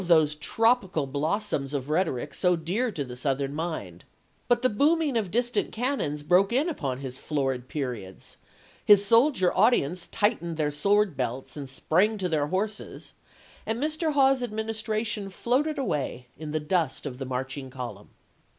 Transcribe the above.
those tropical blossoms of rhetoric so dear to the Southern mind ; but the booming of distant can non broke in upon his florid periods; his soldier audience tightened their sword belts and sprang to theii" horses, and Mr. Hawes's administration floated away in the dust of the marching column.